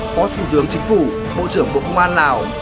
phó thủ tướng chính phủ bộ trưởng bộ công an lào